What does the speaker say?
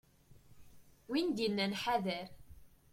Win d-yennan ḥader.